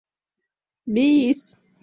— Би-ис!